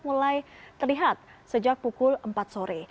mulai terlihat sejak pukul empat sore